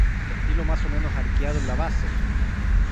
Estilo más o menos arqueado en la base.